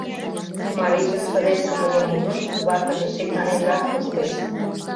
Марийжын шыдешкымыжым ужын, ватыже шекланенрак коштеш.